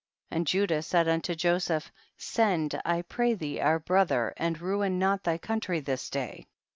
and Judah said un to Joseph, send I pray thee our bro ther and ruin not thy country this day.